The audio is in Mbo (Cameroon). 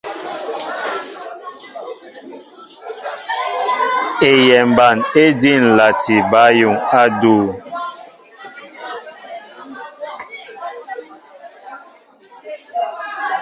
Eyɛmba éjí ǹlati bǎyuŋ á adʉ̂.